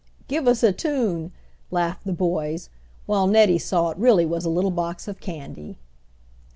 "Give us a tune!" laughed the boys, while Nettie saw it really was a little box of candy.